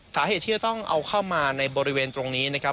สาเหตุที่จะต้องเอาเข้ามาในบริเวณตรงนี้นะครับ